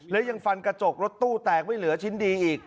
และยังฟันกระจกรถตู้แตกไม่เหลือชิ้นดีอีก